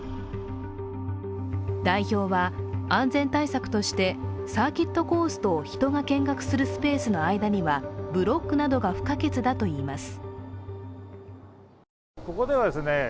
代表は安全対策としてサーキットコースと人が見学するスペースの間にはブロックなどが不可欠だといいます。